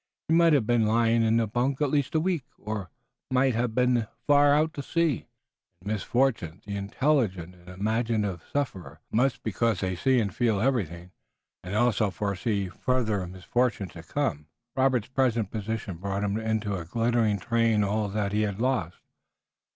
He might have been lying in the bunk at least a week, and he might now be far out at sea. In misfortune, the intelligent and imaginative suffer most because they see and feel everything, and also foresee further misfortunes to come. Robert's present position brought to him in a glittering train all that he had lost.